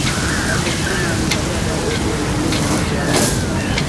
jacob zuma alizaliwa tarehe kumi na mbili mwezi wa nne